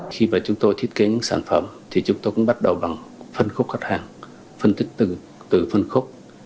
khi mà chúng tôi thiết kế những sản phẩm thì chúng tôi cũng bắt đầu bằng phân khúc khách hàng phân tích từ phân khúc